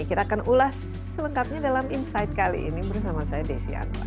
kita akan ulas selengkapnya dalam insight kali ini bersama saya desi anwar